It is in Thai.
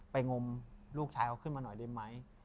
งมลูกชายเขาขึ้นมาหน่อยได้ไหม